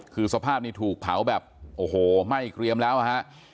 คือสภาพนี้ถูกเผาแบบโอ้โหไหม้เกรียมแล้วนะฮะ